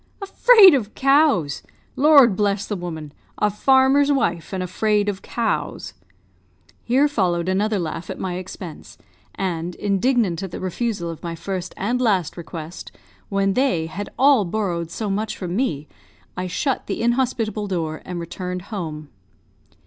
"Afraid of cows! Lord bless the woman! A farmer's wife, and afraid of cows!" Here followed another laugh at my expense; and, indignant at the refusal of my first and last request, when they had all borrowed so much from me, I shut the inhospitable door, and returned home.